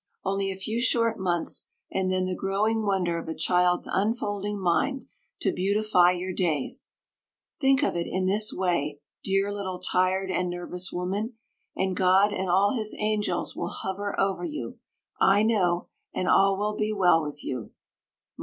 Only a few short months, and then the growing wonder of a child's unfolding mind, to beautify your days. Think of it in this way, dear little tired and nervous woman, and God and all his angels will hover over you, I know, and all will be well with you.